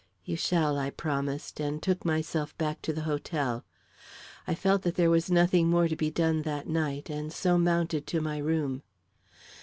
"You shall," I promised and took myself back to the hotel. I felt that there was nothing more to be done that night, and so mounted to my room.